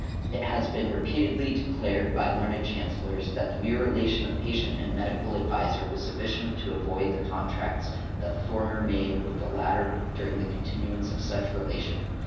It has been repeatedly declared by learned chancellors that the mere relation of patient and medical adviser was sufficient to avoid the contracts of the former made with the latter during the continuance of such relation" .